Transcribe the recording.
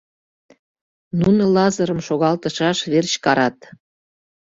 Нуно Лазырым шогалтышаш верч карат.